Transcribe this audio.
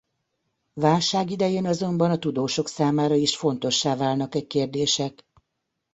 Válság idején azonban a tudósok számára is fontossá válnak e kérdések.